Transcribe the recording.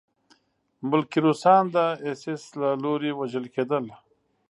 ملکي روسان د اېس ایس له لوري وژل کېدل